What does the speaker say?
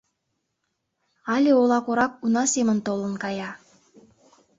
Але ола корак уна семын толын кая.